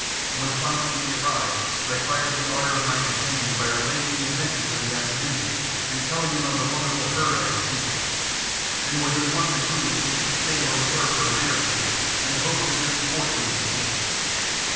When finally we arrived I fired the ardour of my companions by relating the adventures of the afternoon and telling them of the wonderful herd I had seen; and it was at once agreed that we should stay where we were for a day or two in the hope of good sport being obtained.